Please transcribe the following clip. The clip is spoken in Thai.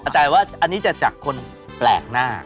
แต่ว่าอันนี้จะจากคนแปลกหน้า